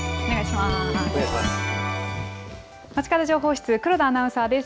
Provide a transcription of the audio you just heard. まちかど情報室、黒田アナウンサーです。